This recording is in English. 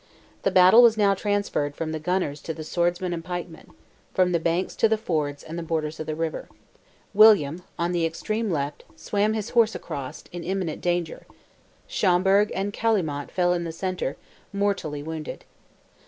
The battle was now transferred from the gunners to the swordsmen and pikemen—from the banks to the fords and borders of the river, William, on the extreme left, swam his horse across, in imminent danger; Schomberg and Callimotte fell in the centre, mortally wounded.